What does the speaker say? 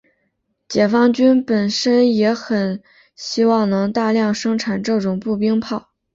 解放军本身也很希望能大量生产这种步兵炮。